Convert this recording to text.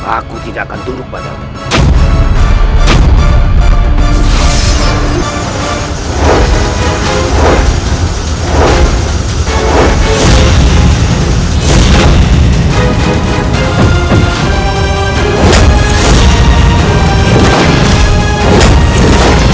aku tidak akan turun padamu